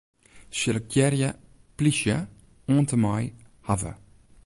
Selektearje 'plysje' oant en mei 'hawwe'.